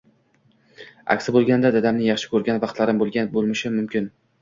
aksi bo‘lganda dadamni yaxshi ko‘rgan vaqtlarim bo‘lgan bo‘lishi mumkin.